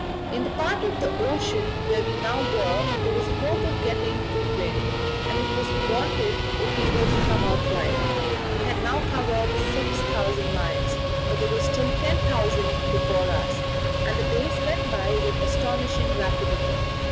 In the part of the ocean where we now were there was a hope of getting a good wind, and it was wanted if we were to come out right: we had now covered 6,000 miles, but there were still 10,000 before us, and the days went by with astonishing rapidity.